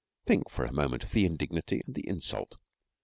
Think for a moment of the indignity and the insult!